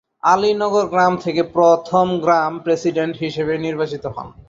আলী নগর গ্রাম থেকে প্রথম গ্রাম প্রেসিডেন্ট হিসাবে নির্বাচিত হন।